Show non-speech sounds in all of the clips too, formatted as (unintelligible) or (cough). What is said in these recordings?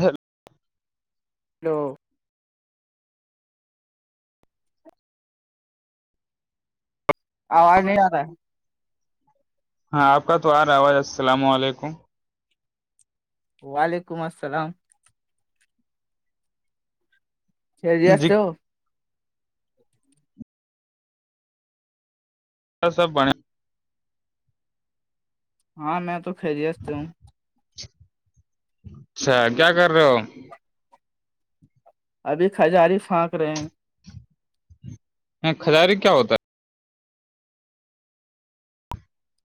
hello hello آواز نہیں آ رہا ہے ہاں آپ کا تو آ رہاواز السلام علیکم وعلیکم السلام سجی جی آستے ہو س سب بنے ہاں میں تو خریست ت ہوں اچھا کیا کر رہے ہو ابھی کھزاری پھانک رہے ہیں کھزاریے کیا ہوتا ہے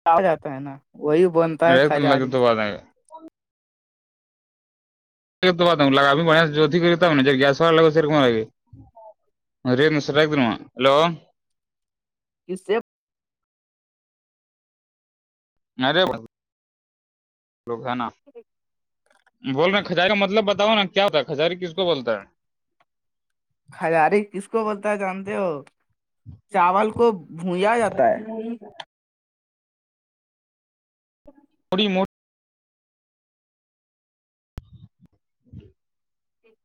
کہ جاتا ہے نا وہی بنتا ہے ایک دن لگے خھزاری تو بات آئے بیا جوتاا جو گیس ہوا لگے سرم لگے ارے مسلہ دما ہیلو اس سے ارے لگانا بول رہے کھجاری کا مطلب بتاؤ نا کیا ہوتا ہے کھجاری کس کو بولتا ہے ہزاری کس کو بولتا ہے جانتے ہو چاول کو بھجا جاتا ہے تھڑی مو (inaudible) ایک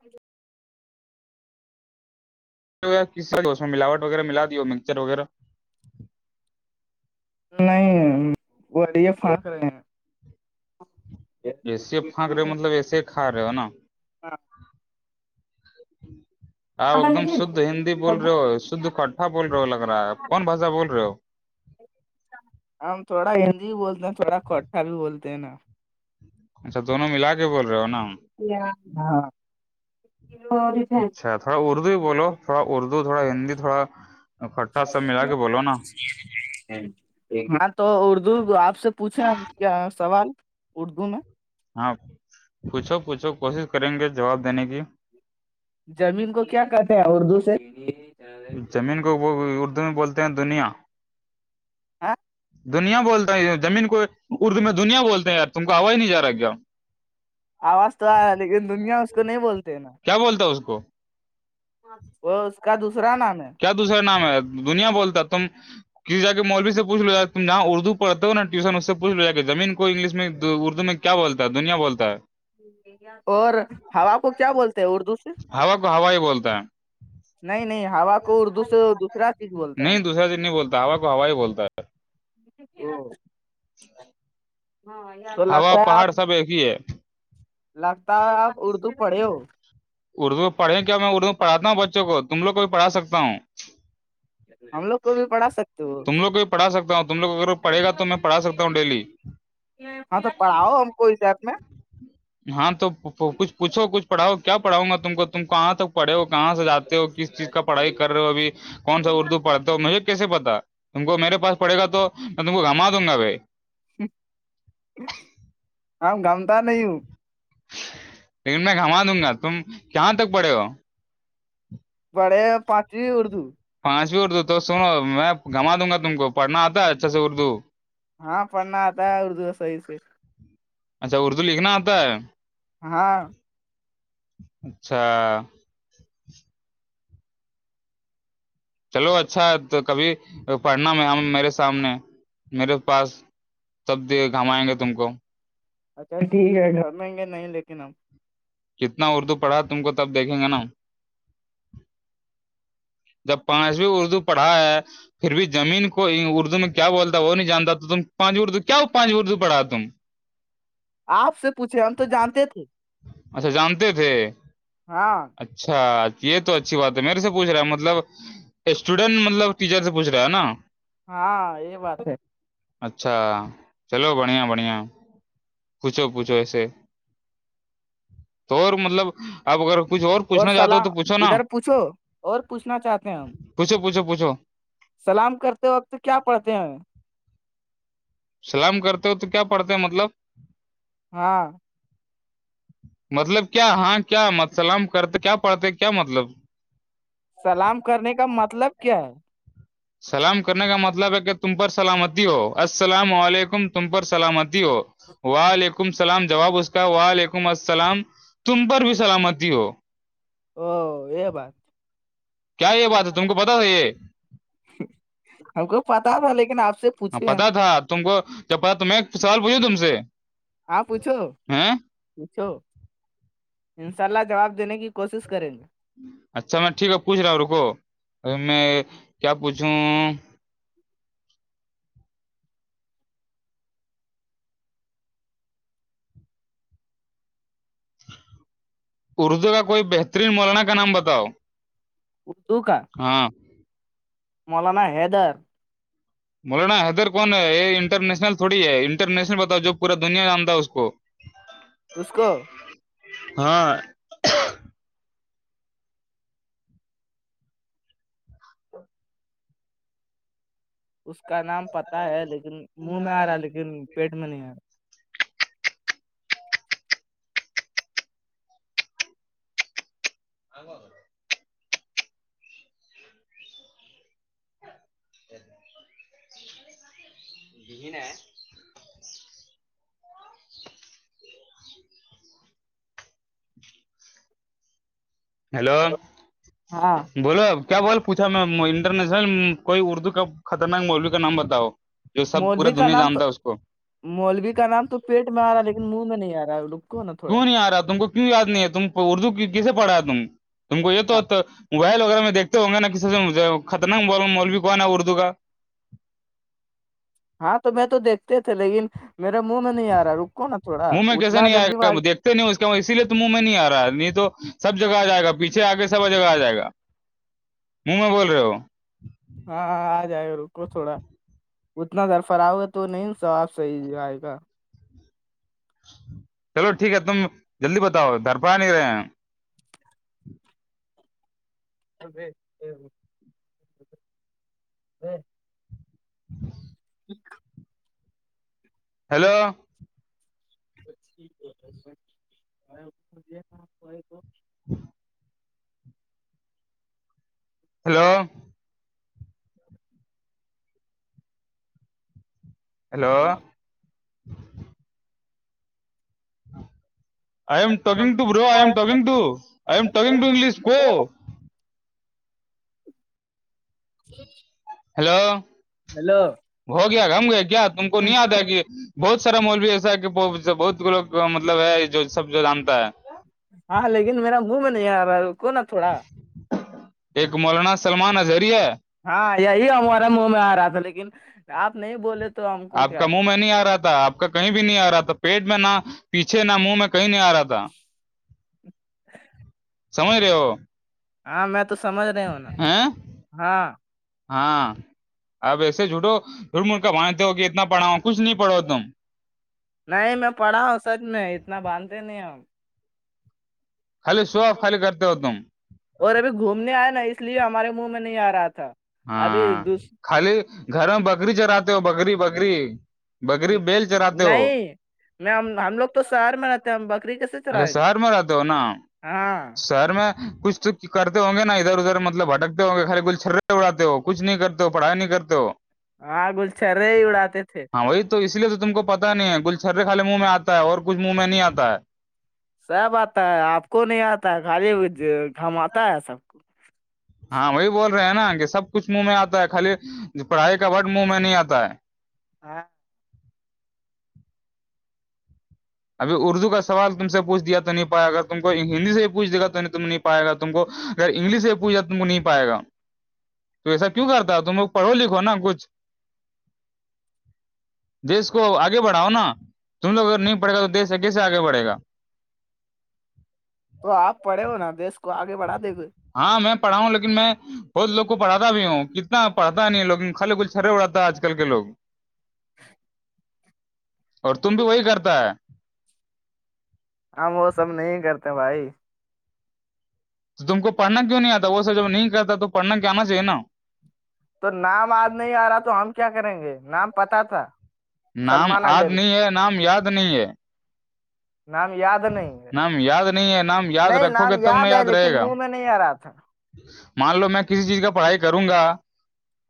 میں ملاوٹ وغیرہ ملا دی اور مکسچر وغیرہ نہیں وہ یہ فا رہ ایسے پھنک رہے ہو مطلب ایسے ہی کھا رہے ہو نا ہاں آپ ایک دم شدھ ہندی بول رہے ہو شدھ کٹھا بول رہے ہو لگ رہا ہےپ کون بھا بول رہے ہو ہم تھوڑا ہندی بھی بولتے ہیں تھوڑا کوٹھا بھی بولتے ہیں نا اچھا دونوں ملا کے بول رہے ہو نا ال ہاں کلو اچھا تھوڑا اردو ہی بولو تھوڑا اردو تھوڑا ہندی تھوڑا ا کٹھا سب ملا کے بولو نا ہوں ہاں تو اردو آپ سے پوچھے کیا سوال اردو میں ہاں پوچھو پوچھو کوشش کریں گے جواب دینے کی زمین کو کیا کہتے ہیں اردو سے زمین کو اردو میں بولتے ہیں دنیا آ دنیا بولتا ہے زمین کو اردو میں دنیا بولتے ہیں یار تم کو ہووا ہی نہیں جا رہا کیا آواز تو آیا ہے لیکن دنیا اس کو نہیں بولتے نا کیا بولتا اس کو وہ اس کا دوسرا نام ہے دوسرا نام ہے دنیا بولتا ہے تم کسی جا کے مولوی سے پوچھ لو جات تم جہاں اردو پڑھ ہو نا ٹیوشن اس سے پوچھ ل جا کہ زمین کو انگلش میں اردو میں کیا بولتا ہے دنیا بولتا ہے اور ہم آپ کو کیا بولتے ہیں اردو سے ہا کو ہوا ہی بولتا ہے نہیں نہیں ہا کو اردس دوسرا چیز بولتا ہے نہیں نا دوسرا دن نہیں بولتا ہوا کو ہوا بولتا ہے (inaudible) جی بائی تو لگتا ہے آپ ہی ہے لگتا ہے آپ اردو پڑھے ہو اردو پڑھے کیا م میں اردو پڑھاتا ہوں بچوں کو تم لوگ کو بھی پڑھا سکتا ہوں ہم لوگ کو بھی پڑھا سکتے ہو تم لوگ کو بھی پڑھا سکتا ہوں تم لوگ اگر پڑھے گا تو میں پڑھا سکتا ہوں ڈیلی ہاں تو پڑھاؤ ہم کو اس ایپ میں ہاں تو کچھ پوچھو کچھ پڑھاؤ کیا پڑھؤں گا تم کو تم کواں تک پڑھے ہو کہاں سے جاتے ہو کس چیز کا پڑھائی کر رہے ہوبھی کون س اردو پڑھتے تو مجھے کیسے پتا تم کو میرے پاس پڑے گا تو میں تم کو گھما دوں گا بھائی ہم گامتا نہیں ہو لیکن میں گھما دوں گا تم کہاں تک پڑے ہو بڑے پٹری اردو پانچویں اردو تو سنو میں گھما دوں گا تم کو پڑھنا آتا ہے اچھا سے اردو ہاں پڑھنا آتا ہے اردو صحیح سے اچھا اردو لکھنا آتا ہے ہاں اچھا چلو اچھا تو کبھی پڑھنا میں میرے سامنے میرے پاس تب گھمائیں گے تم کو اچھا ٹھیک ہے گھر میں گے نہیں لیکن ہم کتنا اردو پڑا تم کو تب دیکھیں گے نا جب پانچ بھی اردو پڑھا ہے پھر بھی زمین کو اردو میں کیا بولتا وہ نہیں جانتا تو تم پانچ اردو کیا پانچ اردو پڑھا تم آپ سے پوچھے ہم تو جانتے تھے اچھا جانتے تھے ہاں اچھا یہ تو اچھی بات ہے میرے سے پوچ رہا ہے مجھے مطلب اسٹوڈینٹ مطلب ٹیچر سے پوچھ رہا ہے نا ہاں یہ بات ہے اچھا چلو بڑھیا بڑھیا پوچھو پوچھو ایسے تو اور مطلب اپ اگر کچھ اور پوھنا چاہتے ہو تو پوھو نا وھو اور پوچھنا چاہتے ہیں ہم پچھوچھوچھو سلام کرتے وقت کیا پڑھتے ہیں سلام کرتے ہو تو کیا پڑھتے ہیں مطلب ہاں مطلب کیا ہاں کیا متسلام کرتے کیا پڑھتے کیا مطلب سلام کرنے کا مطلب کیا ہے سلام کرنے کا مطلب ہے کہ تم پر سلامتی ہو السلام علیکم تم پر سلامتی ہو وعلیکم السلام جواب اس کا وعلیکم السلام تم پر بھی سلامتی ہو او یہ بات کیا یہ بات ہے تم کو پتا تھا یہ ہم کو پتا تھا لیکن آپ سے ہ پوچھے ہیں پتا تھا تم کو جپا میں ایک سوال پوچھوں تم سے آپ پوچھو ہیں پوچھو انشاء اللہ جواب دینے کی کوشش کریں گے اچھا میں ٹھیک ہے پوچھ رہا ہوں رکو ا میں کیا پوچھوں اردو کا کوئی بہترین مولانا کا نام بتاؤ اردو کا ہاں مولانا حیدر مولانا حیدر کون ہے یہ انٹرنیشنل تھوڑی ہے انٹرنیشنل بتاؤ ج پورا دنیا نامتا اس کو اس کو ہاں اس کا نام پتاہ ہے لیکن منہ میں آ رہا ہے لیکن پیٹ میں نہیں آ رہا آو ج گہ ن ہیلو رہا ہاں بولو اب کیا بول پوچھا میں انٹرنیشنل کوئی اردو کا خطرناک مولو کا نام بتاؤ جو سب پورا مولوی کا دنیا نام تو جانتا ہے اس کو مولوی کا نام تو پیٹ میں آ رہا ہے لیکن منہ میں نہیں آ رہا ہے کو نا کیوں نہیں تھوڑا آ رہا تم کو کیوں یاد نہیں ہے ت اردو کیسے پڑھا ہے ت تم کو یہ تو موبائل وغیرہ میں دیکھتےوں گا کسی خطرناک ب مولوی کون ہے اردو کا ہاں تو میں تو دیکھتے تھے لیکن میرے منہ میں نہیں آ رہا رکو نا تھوڑا منہ میں کیسے اتنا نہیں آئے جلدی ب گا دیکھتے نہیں اس اسی لیے تو منہ میں نہیں آ رہا نہیں تو سب جگہ آ جائےا پیچھے آ کے سب جگہ آ جائے گا من میں بول رہے ہو ہاں ہاں آ جائے گا رکو تھوڑا اتنا درفرا ہوگا تو نہیں س آاب صحیح آائے گا چلو ٹھیک ہے تم جلدی بتاؤ دھرپڑا نک رہے ہیں ہ ج ہیلو ہ hello hello I am talking boom talking ٹوئی ایم ٹکگ ٹوش کو جی ہیلو ہو گیا گھم گیا کیا تم کو نہیں یاد ہے کہ بہت سارا مول بھی ایسا ہے کہ بہت لوگ مطلب ہے جو سب جو جانتا ہے ہاں لیکن میرا منہ میں نہیں آ رہا ہے ایک مولانا سلمان اظہری ہے ہاں یہی ہمارے منہ میں آ رہا تھا لیکن آپ نہیں بولے تو ہم کو آپ کا کیا منہ میں نہیں آ رہا تھا تھا آپ کا کہیں بھی نہیں آ رہا تھا پیٹ میں نہ پیچھے نہ منہ میں کہیں نہیں آ رہا تھا سمج رہے ہو ہاں میں تو سمجھ رہی ہوں نا ہیں ہاں ہاں اب ایسے جھوٹو جھرمڑ کا مانتے ہو کہ اتنا پڑھاؤ کچھ نہیں پڑھو تم نہیں میں پڑھا ہوں سچ میں اتنا باندھتے نہیں ہم خالی شو آف خالی کرتے ہو تم اور ابھی گھومنے آئے نا اس لیے ہمارے منہ میں نہیں آ رہا تھا ابھی ہاں دوس خالی گھر میں بکری چراتے ہو بکری بگری بکری بیل چراتے ہو نہیں میں ہم لوگ تو شہر میں رہتے ہیں ہم بکری کےس اچھا شہر میں رہتا ہو نا ہاں سر میں کچھ کرتے ہوں گے نا ادھر ادھر مطلب بھٹکتے ہوں گے خالی گل چھرے اڑاتے ہ گے کچھ نہیں کرتے پڑھائی نہیں کرتے ہاں گلچرے ہی اڑاتے تھے ہاں وہی تو اسی لیے تو تم کو پتا نہیں ہے گلچرے خالے منہ میں آتا ہے اور کچھ منہ میں نہیں آتا ہے س ب آتا ہے آپ کو نہیں آتا خالی گھماتا ہے سب کو ہاں وہی بول رہے ہیں نا کہ سب کچھ منہ میں آتا ہے خالی پڑھائی کا بٹ منہ میں نہیں آتا ہے ہاں ابھی اردو کا سوال تم سے پوچھیا تو نہیں پایا اگر تم کو ہندی سے ہی پوھ دے تو نہیں تم نہیں پائے گا تم کو اگر انگلش سے پوچھا ت کو نہیں پائے گ تو ایسا کیوں کرتا ہے تم کو پڑھو لکھو نا کچھ دیس کو آگے بڑھاؤ نا تم لوگ اگر ن پڑےا تو دیش آگے سے آگے بھےا تو آپ پڑھے ہو نا دیش کو آگے بڑھا دے گ ہاں میں پڑا ہوں لن میں بہت لوگ کو پڑاتا بھی ہوں کتنا پڑھتا نہیں لوگ خالی کل چھرے اڑاتا ہے آج کل کے لوگ اور تم بھی وہی کرتا ہے ہم وہ سب نہیں کرتے بھائی تو تم کو پڑنا کیوں نہیں آتا وہ سب جب نہیں کرتا تو پڑھنا کی آنا چاہے نا تو نام آج نہیں آ رہا تو ہم کیا کریں گے نام پتا تھا نام سلمان آج اظہری نہیں ہے نام یاد نہیں ہے نام یاد نہیں ہے نام یاد نہیں ہے نام یاد نہیں رکھو نام گے تب ن ہے یاد رہے لیکن گا منہ میں نہیں آ رہا تھا مان لو میں کسی چیز کا پڑھائی کروں گا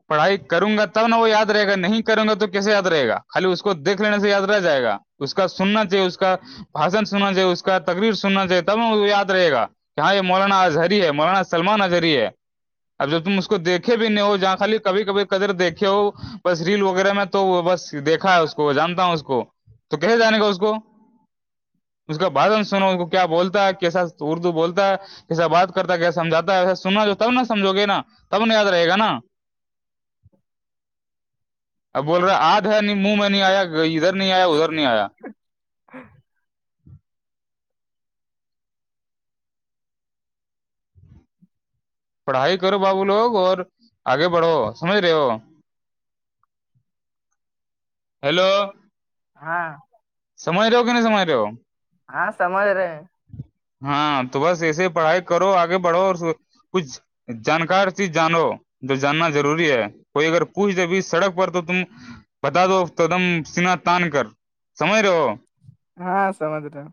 پڑھائی کروں گا تب ن وہ یاد رہے گا نہیں کریں گا تو کیسے یاد رہے گا خالی اس کو دھ لینے سے یاد رہ جائے گا اس کا سننا چاہیے اس کا بھشن سننا چاہیے اس کا تقریر سننا چاہیے تب وہ یاد رہے گا یہاں یہ مولانا اظہری ہے مولانا سلمان اظہری ہے اب جب تم اس کو دیکھے بھی نہیں ہو جہاں خالی کبھی کبھی کدر دیکھے ہو بس ریل وغیرہ میں تو وہ بس دیکھا ہے اس کو جانتا ہوں اس کو تو کیے جان گا اس کو اس کا بھاجن سناو اس کو کیا بولتا ہے کیسا اردو بولتا ہے کیسا بات کرتا ہے کیس سمجھاتا ہے وسا سننا تب نہا سمجو گے نا تب ن یاد رہ گا نا (unintelligible) اب بول رہے آدھ ہے نہیں منہ میں نہیں آیا ادھر نہیں آیا ادھر نہیں آیا (unintelligible) پڑھائی کرو بابو لوگ اور آگے بڑھو سمجھ رہے ہو لو ہاں سم لو کہ سم لو ہاں سمجھ رہے ہیں ہاں تو بس ایسے پڑھائی کرو آگے بڑھو اور کچھ جانکار ت جانو جو جاننا ضروری ہے کوئی اگر پوچھ د بھیھی سڑک پر تو تم بتا دو تو دم سہ تان کر سمجھ رہے ہو ہاں سمج رہے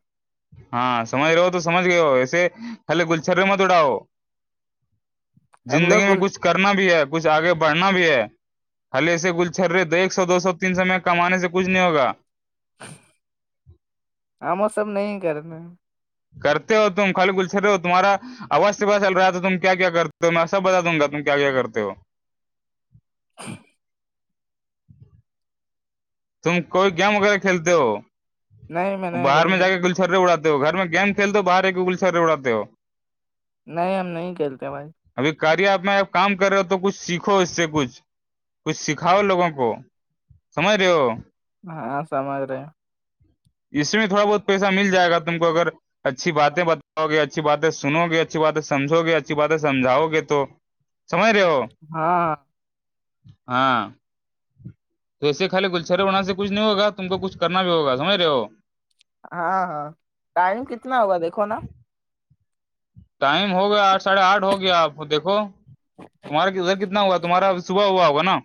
ہاں سجھ رہو ہو تو سج گئے ہو ایسے حے گلچھر میں مت اڑاؤ ہم زندگی لوگ میں کچھ کرنا بھی ہے کچھ آگے بڑھنا بھی ہے ہلےے گل چر رہے دو ایک سو دو سو تین سو میں کمانے سے کچھ نہیں ہوگا ہم وہ سب نہیں کرتے کرتے ہو تم کالل گلچ رہے ہو تمہارا اواز پ چل رہا تھا تم کیا کیا کرتے ہو میں سب بتا دوں گا تم کیا کیا کرتے ہو (unintelligible) تم کوئی گیم وغیرہ کھیلتے ہو نہیں میں نہیں باہر کہیں میں جا گ کے کل سرے اڑاتے ہو گھر میں گیم کھیلتے باہ ایک گو گل چرے اڑاتے ہو نہیں ہم نہیں کھیلتے بھائی ابھی کاریہب میں اب کام کر رہے ہو تو کچھ سیکھو اس سے کچھ کچھ سکھاؤ لوگوں کو سمجھ رہے ہو ہاں سمج رہے اس میں تھوڑا بہت پیسہ مل جائے گا تم کو اگر اچھی باتیں بتاؤ گے اچھی باتیں سنو گے اچھی باتیں سمھو گے اچھی باتیں سمھاؤ گے تو سمج رہے ہو ہاں ہاں ہاں تو ایے خالی گلچرے ہونا سے کچھ نہیں ہوگا تم کو کچھ کرنا بھی ہوگا سمجھ رہے ہو ہاں ہاں ٹائم کتنا ہوگا دیکھو نا ٹائم ہو گیا آٹ ساڑھے آٹھ ہو گیا آپ دھو تمہارا کدھر کتنا ہوا تمہارا صبح ہوا ہوگا نا